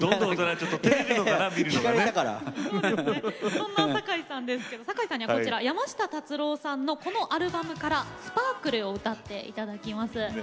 そんなさかいさんですがさかいさんには山下達郎さんのこのアルバムから「ＳＰＡＲＫＬＥ」を歌っていただきます。